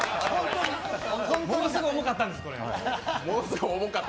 ものすご重かったんです、これ。